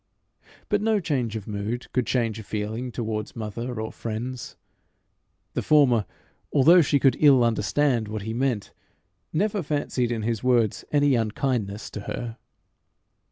But no change of mood could change a feeling towards mother or friends. The former, although she could ill understand what he meant, never fancied in his words any unkindness to her.